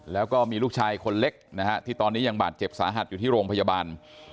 แล้วก็มีลูกชายคนเล็กนะฮะที่ตอนนี้ยังบาดเจ็บสาหัสอยู่ที่โรงพยาบาล